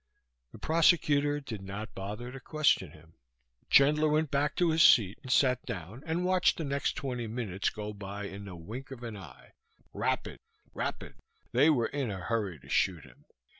The prosecutor did not bother to question him. Chandler went back to his seat and sat down and watched the next twenty minutes go by in the wink of an eye, rapid, rapid, they were in a hurry to shoot him.